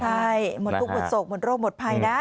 หมดภูมิสกหมดโรคหมดภัยนะ